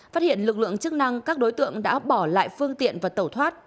phát hiện lực lượng chức năng các đối tượng đã bỏ lại phương tiện và tẩu thoát